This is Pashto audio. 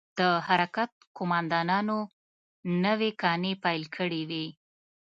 د حرکت قومندانانو نوې کانې پيل کړې وې.